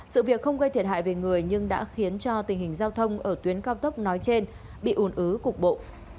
sự việc không gây thiệt hại về người nhưng đã khiến cho tình hình giao thông ở tuyến cao tốc nói trên bị ủn ứ cục bộ